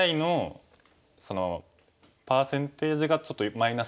ＡＩのパーセンテージがちょっと−４